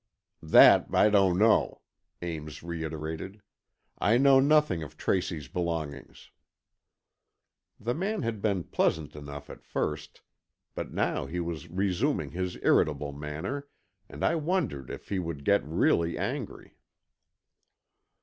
"That I don't know," Ames reiterated. "I know nothing of Tracy's belongings." The man had been pleasant enough at first, but now he was resuming his irritable manner, and I wondered if he would get really angry.